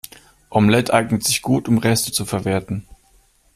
Omelette eignet sich gut, um Reste zu verwerten.